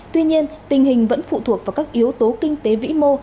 tuy nhiên tình hình vẫn phụ thuộc vào các yếu tố kinh tế vĩ mô